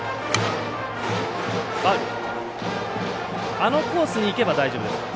あのコースにいけば大丈夫でしょうか。